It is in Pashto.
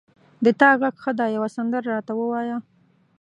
د تا غږ ښه ده یوه سندره را ته ووایه